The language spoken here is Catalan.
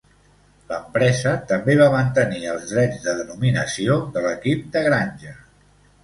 L'empresa també va mantenir els drets de denominació de l'equip de granja.